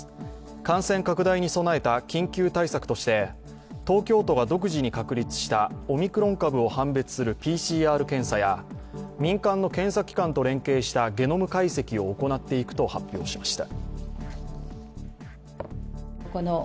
感染拡大に備えた緊急対策として東京都が独自に確立したオミクロン株を判別するＰＣＲ検査や、民間の検査機関と連携したゲノム解析を行っていくと発表しました。